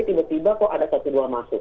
tiba tiba kok ada satu dua masuk